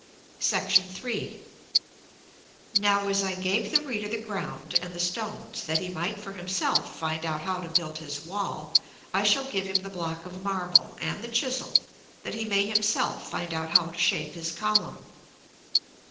§ III. Now as I gave the reader the ground, and the stones, that he might for himself find out how to build his wall, I shall give him the block of marble, and the chisel, that he may himself find out how to shape his column.